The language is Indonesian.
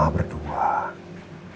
kita kan pernah hidup lama